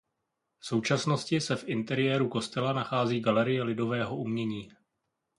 V současnosti se v interiéru kostela nachází galerie lidového umění.